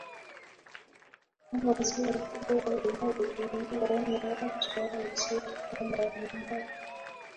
Kama njia kuu inayotumiwa na watu au sekta mbalimbali